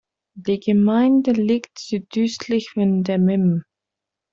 Die Gemeinde liegt südöstlich von Demmin.